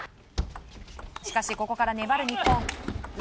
しかし、ここから粘る日本。